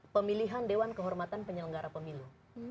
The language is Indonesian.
pemilihan dewan kehormatan penyelenggara pemilu